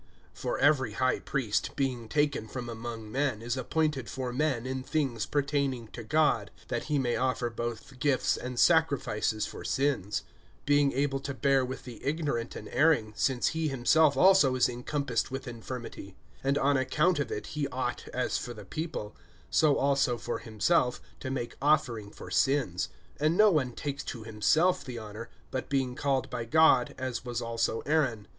FOR every high priest, being taken from among men, is appointed for men in things pertaining to God, that he may offer both gifts and sacrifices for sins; (2)being able to bear with the ignorant and erring, since he himself also is encompassed with infirmity; (3)and on account of it he ought, as for the people, so also for himself, to make offering for sins. (4)And no one takes to himself the honor, but being called by God, as was also Aaron.